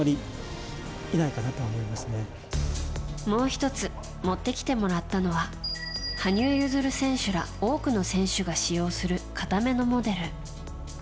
もう１つ持ってきてもらったのは羽生結弦選手ら多くの選手が使用する硬めのモデル。